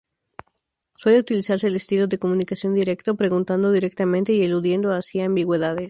Suele utilizarse el estilo de comunicación directo; preguntando directamente y eludiendo así ambigüedades.